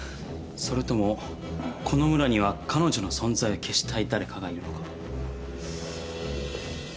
それともこの村には彼女の存在を消したいだれかがいるのかも。